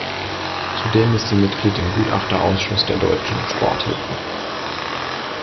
Zudem ist sie Mitglied im Gutachterausschuss der Deutschen Sporthilfe.